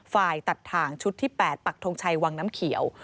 ฝ่ายตัดถ่างชุดที่๘ปักทงชัยวังน้ำเขียว